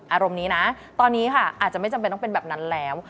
อารมณ์นี้นะตอนนี้ค่ะอาจจะไม่จำเป็นต้องเป็นแบบนั้นแล้ว